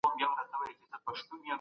د کار ځواک روزنه د پرمختګ لاره هواروي.